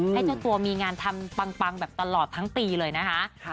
ให้เจ้าตัวมีงานทำปังแบบตลอดทั้งปีเลยนะคะ